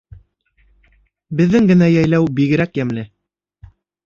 Беҙҙең генә йәйләу бигерәк йәмле